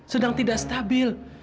sedang tidak stabil